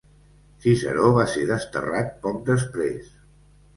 Ciceró va ser desterrat poc després.